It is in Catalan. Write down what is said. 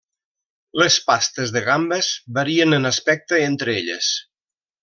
Les pastes de gambes varien en aspecte entre elles.